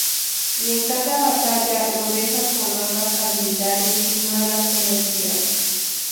Y en cada batalla lo deja con nuevas habilidades y nuevas energías.